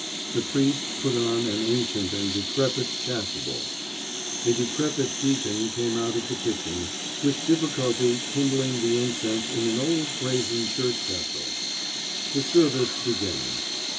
The priest put on an ancient and decrepit chasuble; a decrepit deacon came out of the kitchen, with difficulty kindling the incense in an old brazen church vessel. The service began.